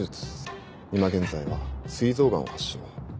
今現在は膵臓がんを発症。